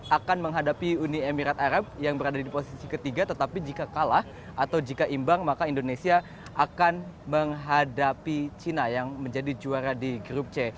akan menghadapi uni emirat arab yang berada di posisi ketiga tetapi jika kalah atau jika imbang maka indonesia akan menghadapi china yang menjadi juara di grup c